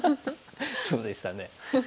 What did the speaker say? そうでしたね。